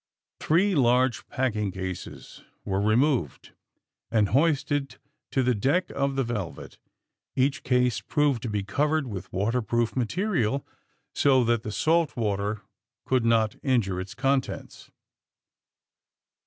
Three large packing cases were recovered and hoisted to the deck of the '* Velvet." Each case proved to be covered with waterproof ma terial so that the salt water conld not injure its contents.